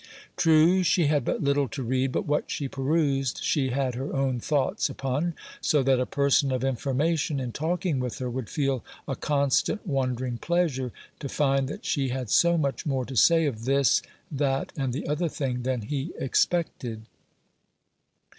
True, she had but little to read; but what she perused she had her own thoughts upon, so that a person of information, in talking with her, would feel a constant wondering pleasure to find that she had so much more to say of this, that, and the other thing than he expected.